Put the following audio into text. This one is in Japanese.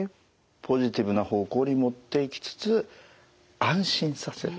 ポジティブな方向に持っていきつつ安心させる。